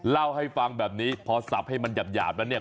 เล่าให้ฟังแบบนี้พอสับให้มันหยาบแล้วเนี่ย